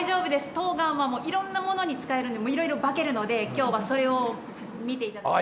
とうがんはいろんなものに使えるんでもういろいろ化けるので今日はそれを見て頂きたい。